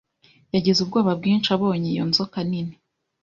Yagize ubwoba bwinshi abonye iyo nzoka nini.